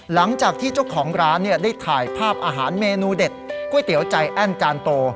หลังจากที่เจ้าของร้านได้ถ่ายภาพอาหารเมนูเด็ดก๋วยเตี๋ยวใจแอ้นจานโต